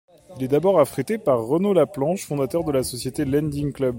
Il est d'abord affrété par Renaud Laplanche, fondateur de la société Lending Club.